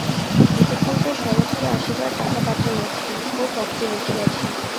ইতঃপূর্বে শরৎকে আসিবার টাকা পাঠাইয়াছি ও পত্র লিখিয়াছি।